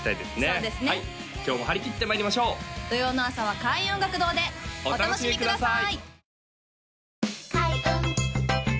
そうですね今日も張り切ってまいりましょう土曜の朝は開運音楽堂でお楽しみください